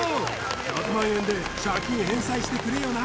１００万円で借金返済してくれよな